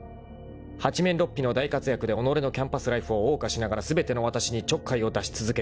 ［八面六臂の大活躍で己のキャンパスライフを謳歌しながら全てのわたしにちょっかいを出し続ける］